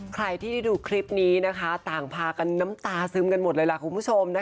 ใครที่ได้ดูคลิปนี้นะคะต่างพากันน้ำตาซึมกันหมดเลยล่ะคุณผู้ชม